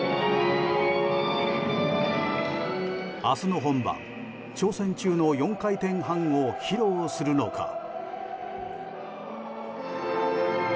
明日の本番、挑戦中の４回転半を披露するのか。